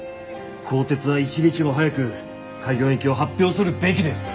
高鐵は一日も早く開業延期を発表するべきです。